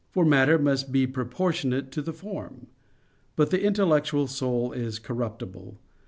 For matter must be proportionate to the form. But the intellectual soul is incorruptible.